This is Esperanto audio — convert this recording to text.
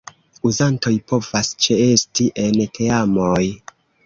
Uzantoj povas ĉeesti en teamoj.